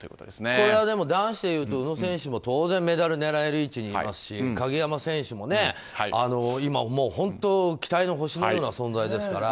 これは男子でいうと宇野選手も当然メダル狙える位置にいますし鍵山選手も今、本当期待の星のような存在ですから。